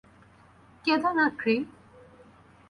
কেঁদো না, ক্রি।